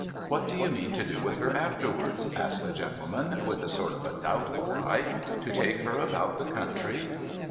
' What do you mean to do with her afterwards ?' asks the gentleman, with a sort of a doubtful eye. ' To take her about the country?'